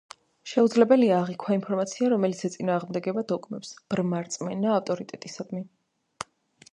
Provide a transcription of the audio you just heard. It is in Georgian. შეუძლებელია, აღიქვა ინფორმაცია, რომელიც ეწინააღმდეგება დოგმებს, ბრმა რწმენა ავტორიტეტისადმი.